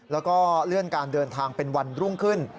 แล้วก็เลื่อนการเดินทางเป็นวันรุ่งขึ้น